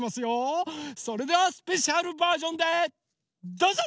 それではスペシャルバージョンでどうぞ！